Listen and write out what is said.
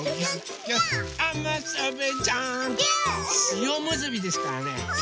しおむすびですからね。